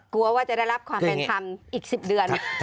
กลัวว่าจะได้รับความเป็นธรรมอีก๑๐เดือน